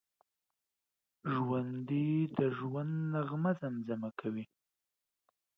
ژوندي د ژوند نغمه زمزمه کوي